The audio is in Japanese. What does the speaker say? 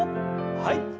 はい。